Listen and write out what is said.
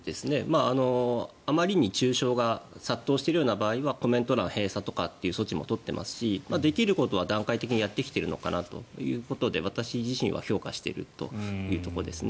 あまりに中傷が殺到しているような場合はコメント欄閉鎖という措置も取っていますしできることは段階的にやってきているのかなということで私自身は評価しているというところです。